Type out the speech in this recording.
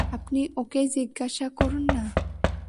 আপনি ওঁকেই জিজ্ঞাসা করুন-না।